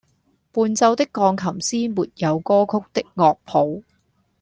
伴奏的鋼琴師沒有歌曲的樂譜